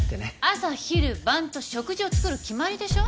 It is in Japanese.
朝昼晩と食事を作る決まりでしょ？